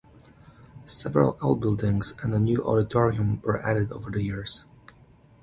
Several outbuildings and a new auditorium were added over the years.